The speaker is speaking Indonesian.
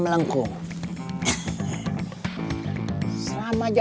sekarang aku bahas senjata ihreyek